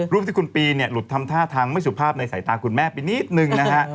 รูปที่คุณปีเนี่ยหลุดทำท่าทางไม่สุภาพในสายตาคุณแม่ไปนิดนึงนะฮะ